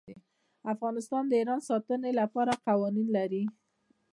افغانستان د هرات د ساتنې لپاره قوانین لري.